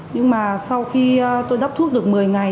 nhưng mà sau khi tôi đắp thuốc được một mươi ngày